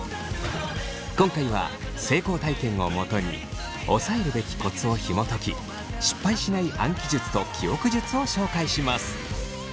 今回は成功体験をもとに押さえるべきコツをひもとき失敗しない暗記術と記憶術を紹介します。